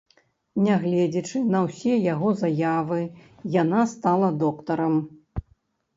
Нягледзячы на ўсе яго заявы, яна стала доктарам.